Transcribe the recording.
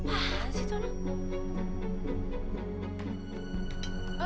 apaan sih itu